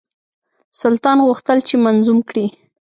سلطان غوښتل چې منظوم کړي.